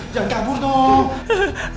jangan kabur dong